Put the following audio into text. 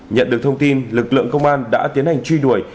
nhận được thông tin lực lượng công an đã tiến hành truy đuổi